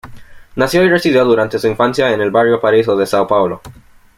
Nació y residió durante toda su infancia en el barrio Paraíso de São Paulo.